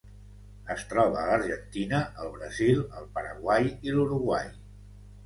Es troba a l'Argentina, el Brasil, el Paraguai i l'Uruguai.